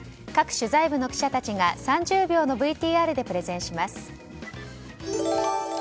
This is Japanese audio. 各取材部の記者たちが３０秒のＶＴＲでプレゼンします。